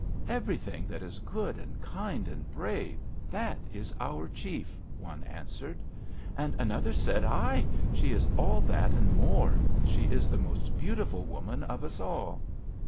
"'Everything that is good, and kind and brave, that is our chief,' one answered. And another said: 'Ai! She is all that, and more; and she is the most beautiful woman of us all!'